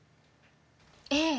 ええ。